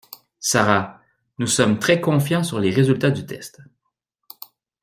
Sara, nous sommes très confiants sur les résultats du test.